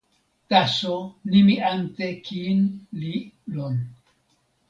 taso nimi ante kin li lon.